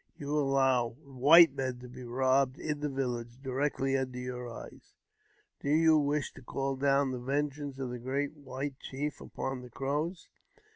You allow white men to be robbed in the village, directly under your eyes ! Do you wish to call down the vengeance of the great white chief upon the Crows